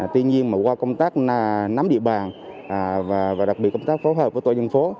tuy nhiên mà qua công tác nắm địa bàn và đặc biệt công tác phối hợp với tội dân phố